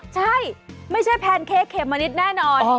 ใช่ไม่ใช่แพนเค้กเขมมะนิดแน่นอน